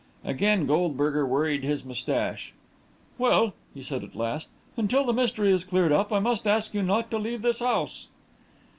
Again Goldberger worried his moustache. "Well," he said, at last, "until the mystery is cleared up, I must ask you not to leave this house."